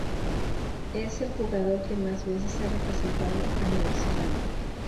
Es el jugador que más veces ha representado a Nueva Zelanda.